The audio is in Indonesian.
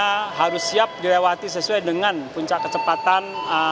karena harus siap dilewati sesuai dengan puncak kecepatan